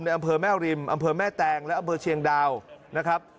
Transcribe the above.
อำเภอแม่ริมอำเภอแม่แตงและอำเภอเชียงดาวนะครับ